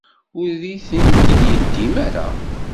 Ur iyi-tent-id yeddim ara.